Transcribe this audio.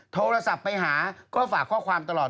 โทรศัพท์ไปหาก็ฝากข้อความตลอด